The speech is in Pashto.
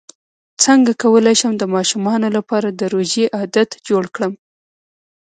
څنګه کولی شم د ماشومانو لپاره د روژې عادت جوړ کړم